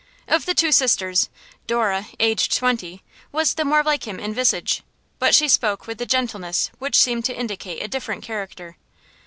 Of the two sisters, Dora, aged twenty, was the more like him in visage, but she spoke with a gentleness which seemed to indicate a different character.